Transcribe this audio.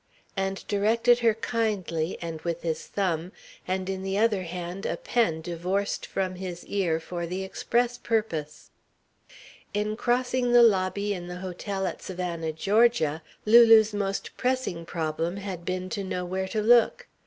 And directed her kindly and with his thumb, and in the other hand a pen divorced from his ear for the express purpose. In crossing the lobby in the hotel at Savannah, Georgia, Lulu's most pressing problem had been to know where to look.